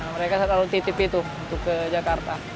mereka selalu titip itu untuk ke jakarta